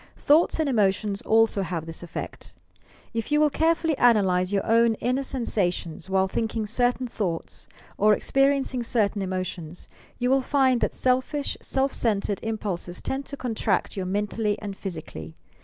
Thoughts and emotions also have this effeet. If you will carefully analyse your own inner sensations while tliinking certain thoughts or experiencing certain emotions, you will find that seltish, self centred im pulses tend to contract you mentally and physically.